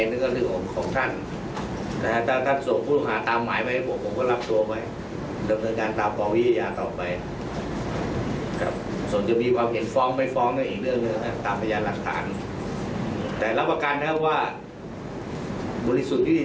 หลังจากประชุมหารือเรียบร้อยแล้วนะครับรองผู้บัญชาการตำรวจแห่งชาติพร้อมคณะก็เดินทางต่อไปยังสารมณฑลทหารบกที่๔๑